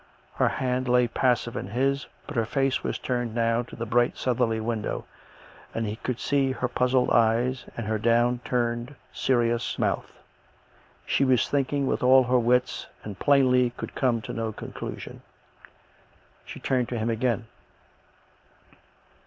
, Her hand lay passive in his, but her face was turned now to the bright southerly window, and he could see her puzzled eyes and her down turned, serious mouth. She was thinking with all her wits, and, plainly, could come to no con clusion. She turned to him again.